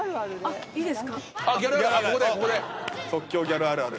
即興ギャルあるある。